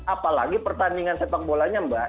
apalagi pertandingan sepakbolanya mbak